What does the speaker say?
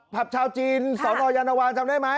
ผับชาวจีนสอนออยานวางจำได้ไหม